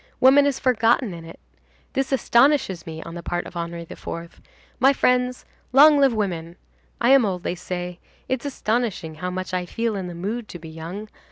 Woman is forgotten in it. This astonishes me on the part of Henri IV. My friends, long live women! I am old, they say; it's astonishing how much I feel in the mood to be young.